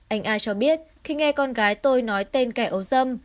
anh a cho biết khi nghe con gái tôi nói tên kẻ ấu dâm